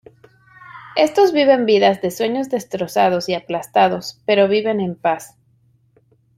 Estos viven vidas de sueños destrozados y aplastados, pero viven en paz.